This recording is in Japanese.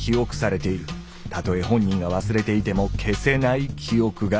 たとえ本人が忘れていても消せない記憶が。